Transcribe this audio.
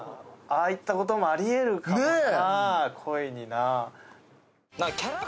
ああいったこともありえるかもと。